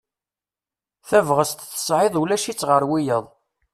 Tabɣest tesɛiḍ ulac-itt ɣer wiyaḍ.